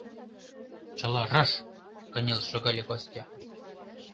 Чыла раш! — кынел шогале Костя.